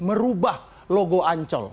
merubah logo ancol